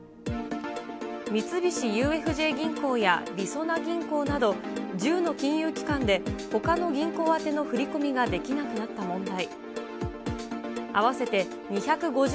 三菱ＵＦＪ銀行やりそな銀行など、１０の金融機関でほかの銀行宛ての振り込みができなくなった問題。